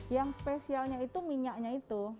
yang spesialnya itu minyaknya itu